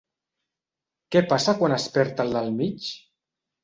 Què passa quan es perd el del mig?